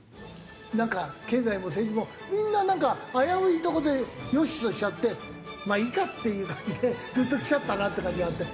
なんか経済も政治もみんななんか危ういとこで良しとしちゃってまあいいかっていう感じでずっときちゃったなって感じがあって。